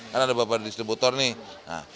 kan ada beberapa distributor nih